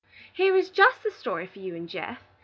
"Here is just the story for you and Geoff.